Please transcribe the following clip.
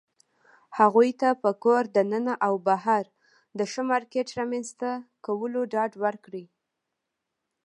هغوى ته په کور دننه او بهر د ښه مارکيټ رامنځته کولو ډاډ ورکړى